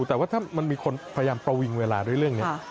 แต่ว่าถ้ามันมีคนพยายามประวิงเวลาด้วยเรื่องนี้